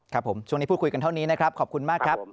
ครับผมช่วงนี้พูดคุยกันเท่านี้นะครับขอบคุณมากครับ